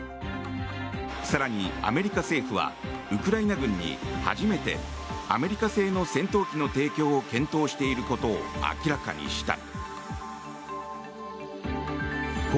更にアメリカ政府はウクライナ軍に初めてアメリカ製の戦闘機の提供を検討していることを明らかにした。